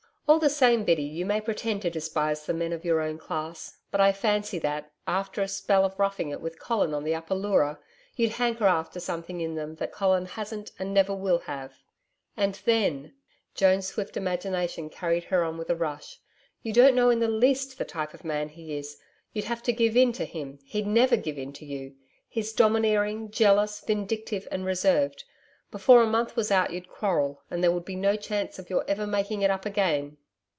All the same, Biddy, you may pretend to despise the men of your own class, but I fancy that, after a spell of roughing it with Colin on the Upper Leura, you'd hanker after something in them that Colin hasn't and never will have.... And then,' Joan's swift imagination carried her on with a rush, 'you don't know in the least the type of man he is. You'd have to give in to him: he'd never give in to you. He's domineering, jealous, vindictive and reserved. Before a month was out you'd quarrel, and there would be no chance of your ever making it up again.'